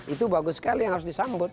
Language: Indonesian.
itu bagus sekali yang harus disambut